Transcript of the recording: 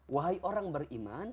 wahai orang beriman